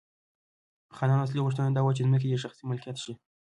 خانانو اصلي غوښتنه دا وه چې ځمکې یې شخصي ملکیت شي.